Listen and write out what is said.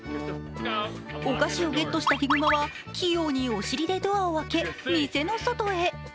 お菓子をゲットしたヒグマは器用にお尻でドアを開け、店の外へ。